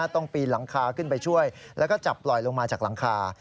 ต้องปีนหลังคาขึ้นไปช่วยแล้วก็จับปล่อยลงมาจากหลังคา